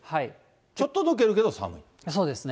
ちょっとぬけるけど、そうですね。